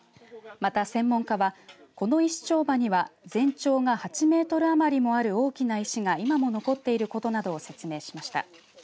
また専門家はこの石丁場には全長が８メートル余りもある大きな石が今も残っていることなどを説明しました。